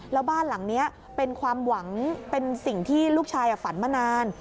แล้วบ้านหลังนี้เป็นความหวังเป็นสิ่งที่ลูกชายฝันมานาน